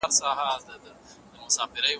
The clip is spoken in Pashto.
که سګریټ ونه څښو نو سږي نه خرابیږي.